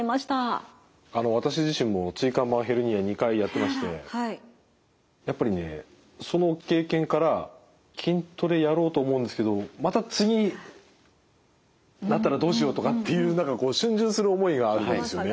私自身も椎間板ヘルニア２回やってましてやっぱりねその経験から筋トレやろうと思うんですけどまた次なったらどうしようとかっていう何かしゅん巡する思いがあるんですよね。